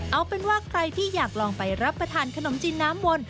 เอาเป็นว่าใครที่อยากลองไปรับประทานขนมจีนน้ำมนต์